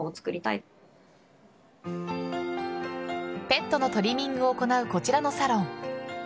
ペットのトリミングを行うこちらのサロン。